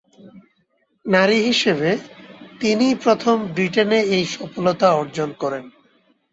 নারী হিসেবে তিনিই প্রথম ব্রিটেনে এই সফলতা অর্জন করেন।